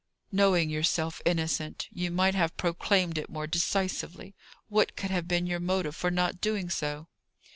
"Knowing yourself innocent, you might have proclaimed it more decisively. What could have been your motive for not doing so?"